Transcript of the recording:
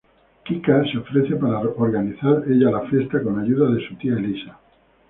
Kika se ofrece para organizar ella la fiesta con ayuda de su tía Elisa.